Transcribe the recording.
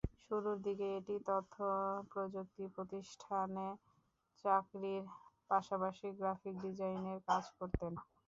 শুরুর দিকে একটি তথ্যপ্রযুক্তি প্রতিষ্ঠানে চাকরির পাশাপাশি গ্রাফিক ডিজাইনের কাজ করতেন।